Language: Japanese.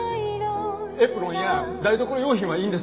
エプロンや台所用品はいいんです。